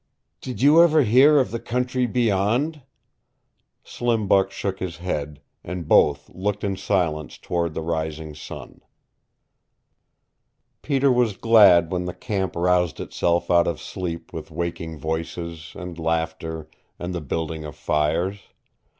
"Did you ever hear of the Country Beyond?" Slim Buck shook his head, and both looked in silence toward the rising sun. Peter was glad when the camp roused itself out of sleep with waking voices, and laughter, and the building of fires.